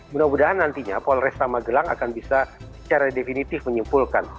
mudah mudahan nantinya polresta magelang akan bisa secara definitif menyimpulkan